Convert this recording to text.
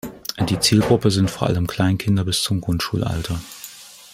Die Zielgruppe sind vor allem Kleinkinder bis zum Grundschulalter.